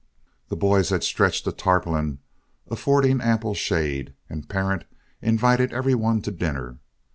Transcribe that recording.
The boys had stretched a tarpaulin, affording ample shade, and Parent invited every one to dinner.